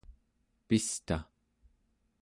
pista